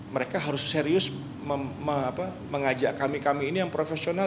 mereka harus serius mengajak kami kami ini yang profesional